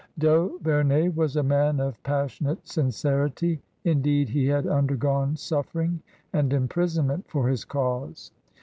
D'Auvemey was a man of passionate sincerity — indeed, he had undergone suffering and imprisonment for his cause.